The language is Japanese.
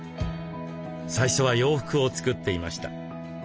最初は洋服を作っていました。